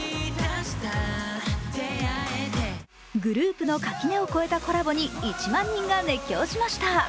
グループの垣根を越えたコラボに１万人が熱狂しました。